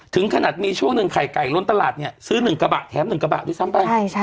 ถึงขนาดมีช่วงหนึ่งไข่ไก่ล้นตลาดเนี่ยซื้อ๑กระบะแถม๑กระบะด้วยซ้ำไป